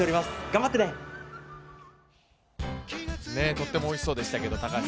とってもおいしそうでした。